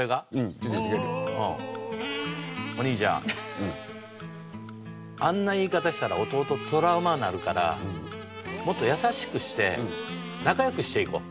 お兄ちゃんあんな言い方したら弟トラウマになるからもっと優しくして仲良くしていこう。